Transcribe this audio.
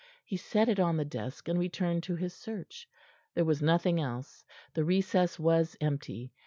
He set it on the desk, and returned to his search. There was nothing else. The recess was empty.